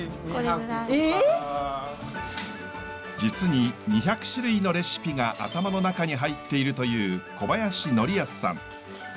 実に２００種類のレシピが頭の中に入っているという小林範恭さん。